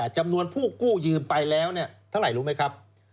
จำนวนผู้กู้ยืมไปแล้วเท่าไหร่รู้ไหมครับ